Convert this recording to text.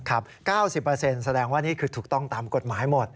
๙๐แสดงว่านี่คือถูกต้องตามกฎหมายหมด